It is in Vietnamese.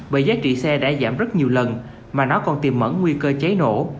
nhưng xe đã giảm rất nhiều lần mà nó còn tìm mẩn nguy cơ cháy nổ